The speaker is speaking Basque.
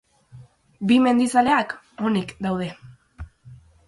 Bi mendizaleak onik daude.